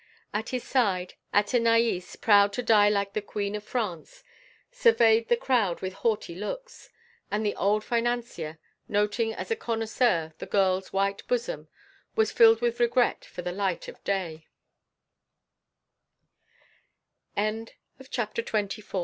At his side, Athenaïs, proud to die like the Queen of France, surveyed the crowd with haughty looks, and the old financier, noting as a connoisseur the girl's white bosom, was filled with regret for the li